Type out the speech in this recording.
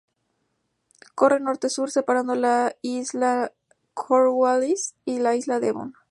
Corre norte-sur, separando la isla Cornwallis y la Isla Devon.